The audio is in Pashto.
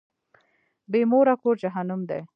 بی موره کور جهنم دی.